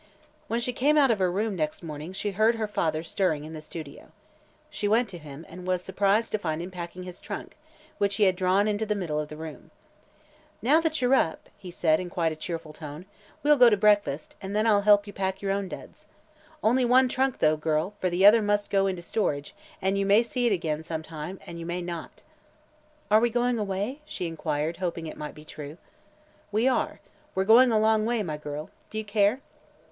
When she came out of her room next morning she heard her father stirring in the studio. She went to him and was surprised to find him packing his trunk, which he had drawn into the middle of the room. "Now that you're up," said he in quite a cheerful tone, "we'll go to breakfast, and then I'll help you pack your own duds. Only one trunk, though, girl, for the other must go into storage and you may see it again, some time, and you may not." "Are we going away?" she inquired, hoping it might be true. "We are. We're going a long way, my girl. Do you care?"